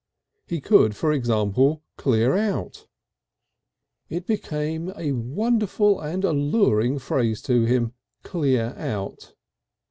He could, for example, "clear out." It became a wonderful and alluring phrase to him: "clear out!"